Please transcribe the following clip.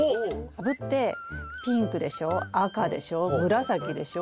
カブってピンクでしょ赤でしょ紫でしょ